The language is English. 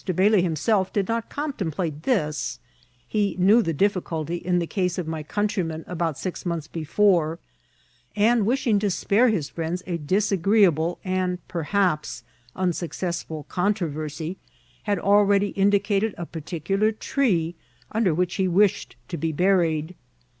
Bailey himself did not conten^late this ; he knew the difficulty in the case of my comitryman about si^ months ^fore ; and wishing to spare his friends a disagreeable and, perhaps, unsuccessful controversy, had already indicated a particular tree under which he wish ed to be buried.